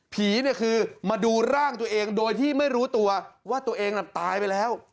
ผีมาดูร่างตัวเองโดยที่ไม่รู้ตัวว่าตัวเองตายไปแล้ว